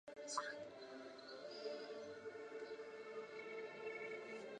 技术和职业教育应普遍设立。